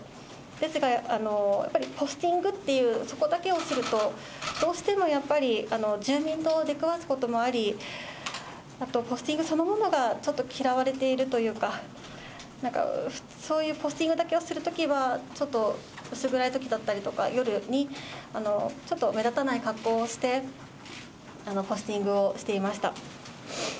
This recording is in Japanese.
ですが、やっぱりポスティングという、そこだけをすると、どうしてもやっぱり、住民と出くわすこともあり、あと、ポスティングそのものがちょっと嫌われているというか、なんかそういうポスティングだけをするときは、ちょっと薄暗いときだったりとか、夜にちょっと目立たない格好をしてポスティングをしていました。